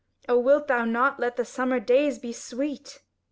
O wilt thou not let the summer days be sweet?"